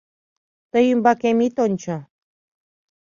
— Тый ӱмбакем ит ончо.